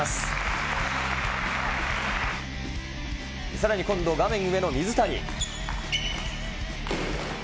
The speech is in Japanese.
さらに今度、画面上の水谷。